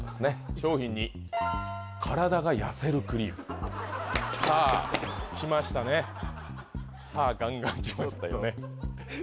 商品２体が痩せるクリームさあきましたねさあガンガンきましたよね